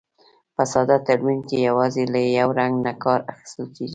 په ساده تلوین کې یوازې له یو رنګ نه کار اخیستل کیږي.